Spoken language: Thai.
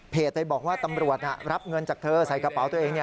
ไปบอกว่าตำรวจรับเงินจากเธอใส่กระเป๋าตัวเอง